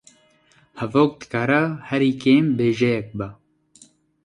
Hevok dikare herî kêm bêjeyek be